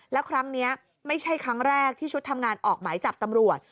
แล้วครั้งนี้ไม่ใช่ครั้งแรกที่ชุดทำงานออกหมายจับตำรวจ